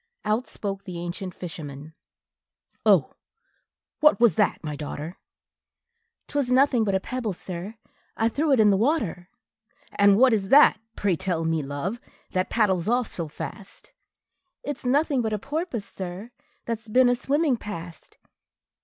Out spoke the ancient fisherman, "Oh, what was that, my daughter?" "'T was nothing but a pebble, sir, I threw into the water." "And what is that, pray tell me, love, that paddles off so fast?" "It's nothing but a porpoise, sir, that 's been a swimming past."